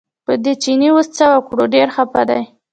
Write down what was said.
په دې چیني اوس څه وکړو ډېر خپه دی.